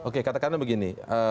oke katakanlah begini